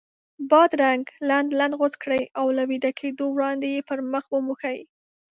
بادرنګ لنډ لنډ غوڅ کړئ او له ویده کېدو وړاندې یې پر مخ وموښئ.